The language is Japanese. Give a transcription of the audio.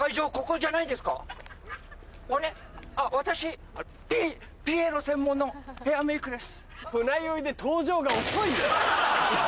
あっ私ピエロ専門のヘアメイクです。